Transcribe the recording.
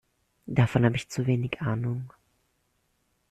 Davon habe ich zu wenig Ahnung.